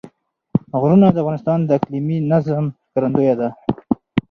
غرونه د افغانستان د اقلیمي نظام ښکارندوی ده.